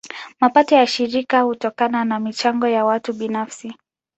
Mapato ya shirika hutokana na michango ya watu binafsi.